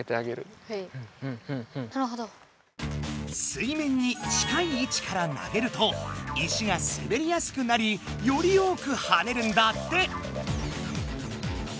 水面に近い位置から投げると石がすべりやすくなりより多くはねるんだって。